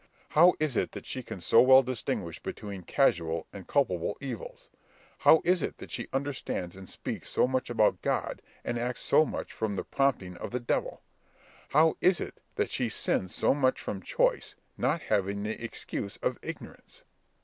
How is it that she can so well distinguish between casual and culpable evils? How is it that she understands and speaks so much about God, and acts so much from the prompting of the devil? How is it that she sins so much from choice, not having the excuse of ignorance?